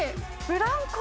ブランコ。